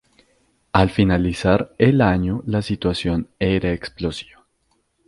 Al finalizar el año la situación era explosiva.